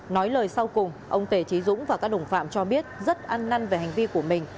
nói lời sau cùng ông tề trí dũng và các đồng phạm cho biết rất ăn năn về hành vi của mình